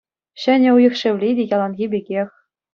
Ҫӗнӗ уйӑх шевли те яланхи пекех.